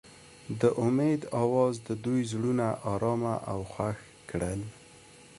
د امید اواز د دوی زړونه ارامه او خوښ کړل.